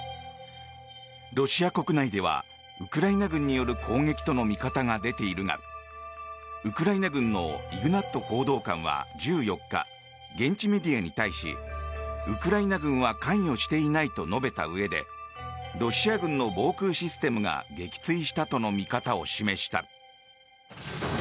ロシア国内ではウクライナ軍による攻撃との見方が出ているがウクライナ軍のイグナット報道官は、１４日現地メディアに対しウクライナ軍は関与していないと述べたうえでロシア軍の防空システムが撃墜したとの見方を示した。